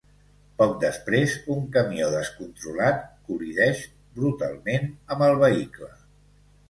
Poc després un camió descontrolat col·lideix brutalment amb el vehicle.